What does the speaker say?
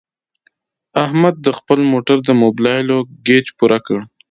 احمد د خپل موټر د مبلایلو ګېچ پوره کړ.